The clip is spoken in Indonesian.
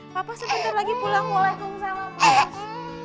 papa sebentar lagi pulang